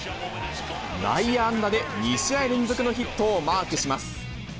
内野安打で２試合連続のヒットをマークします。